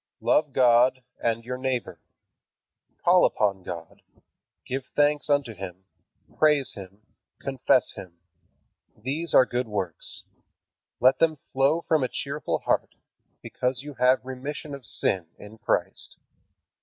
Love God and your neighbor. Call upon God, give thanks unto Him, praise Him, confess Him. These are good works. Let them flow from a cheerful heart, because you have remission of sin in Christ."